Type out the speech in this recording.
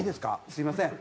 すみません。